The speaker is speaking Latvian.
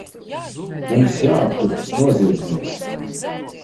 Mums jāaptur tas noziedznieks!